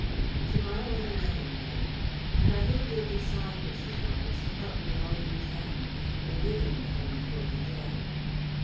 "To morrow at eleven, then. And I hope you'll decide, Mrs. Lawrence, to help me all you can. The living come before the dead."